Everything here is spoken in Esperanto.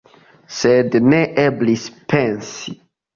Sed ne eblis pensi.